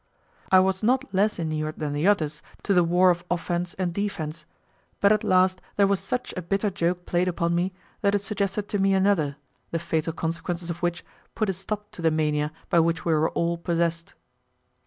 I was not less inured than the others to the war of offence and defence, but at last there was such a bitter joke played upon me that it suggested to me another, the fatal consequences of which put a stop to the mania by which we were all possessed.